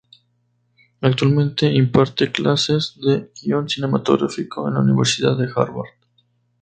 Actualmente imparte clases de guion cinematográfico en la Universidad de Harvard.